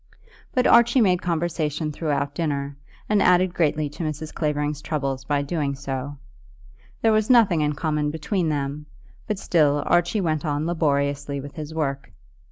But Archie made conversation throughout dinner, and added greatly to Mrs. Clavering's troubles by doing so. There was nothing in common between them, but still Archie went on laboriously with his work.